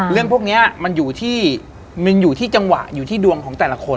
เรื่องพวกนี้มันอยู่ที่จังหวะอยู่ที่ดวงของแต่ละคน